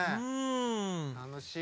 楽しい！